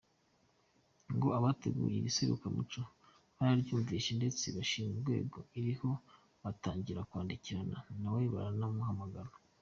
Ngo abateguye iri serukiramuco barayumvise ndetse bashima urwego iriho batangira kwandikirana nawe baranamuhamagara.